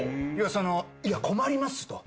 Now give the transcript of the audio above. いや困りますと。